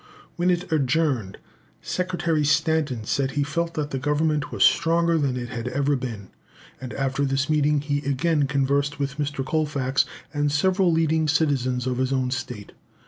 "When it adjourned, Secretary Stanton said he felt that the Government was stronger than it had ever been;" and after this meeting he again conversed with Mr. Colfax and several leading citizens of his own state.